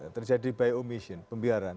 terjadi by omission pembiaran